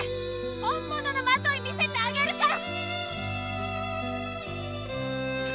本物のマトイ見せてあげるから。